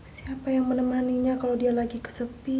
siapa yang menemani dia kalau dia lagi kesepian